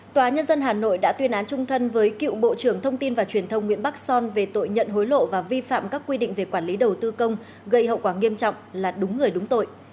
tòa nhân dân hà nội đã tuyên án trung thân với cựu bộ trưởng thông tin và truyền thông nguyễn bắc son về tội nhận hối lộ và vi phạm các quy định về quản lý đầu tư công gây hậu quả nghiêm trọng là đúng người đúng tội